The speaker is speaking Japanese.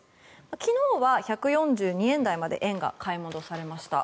昨日は１４２円台まで円が買い戻されました。